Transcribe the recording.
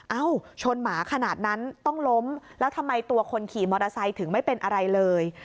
เอ้าชนหมาขนาดนั้นต้องล้มแล้วทำไมตัวคนขี่มอเตอร์ไซค์ถึงไม่เป็นอะไรเลย